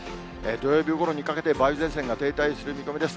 土曜日ごろにかけて、梅雨前線が停滞する見込みです。